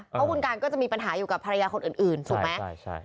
เพราะคุณการก็จะมีปัญหาอยู่กับภรรยาคนอื่นถูกไหม